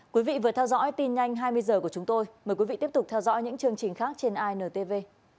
quý vị vừa theo dõi tin nhanh hai mươi h của chúng tôi mời quý vị tiếp tục theo dõi những chương trình khác trên intv